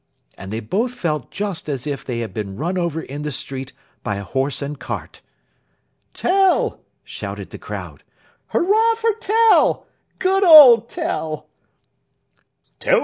And they both felt just as if they had been run over in the street by a horse and cart. "Tell!" shouted the crowd. "Hurrah for Tell! Good old Tell!"